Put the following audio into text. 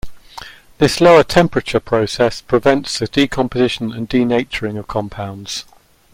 This lower temperature process prevents the decomposition and denaturing of compounds.